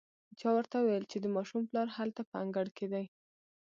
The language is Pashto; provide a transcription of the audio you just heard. چا ورته وويل چې د ماشوم پلار هلته په انګړ کې دی.